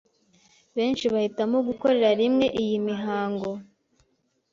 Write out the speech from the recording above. benshi bahitamo gukorera rimwe iyi mihango